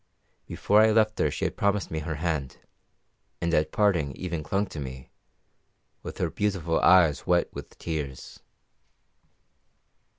Before I left her she had promised me her hand, and at parting even clung to me, with her beautiful eyes wet with tears.